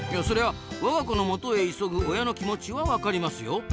そりゃ我が子のもとへ急ぐ親の気持ちは分かりますよ。